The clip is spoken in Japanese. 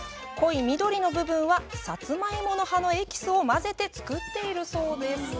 濃い緑の部分は、サツマイモの葉のエキスを混ぜて作っているそうです。